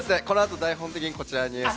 このあと台本的に、こちらに。